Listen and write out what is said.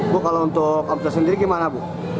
bu kalau untuk absta sendiri gimana bu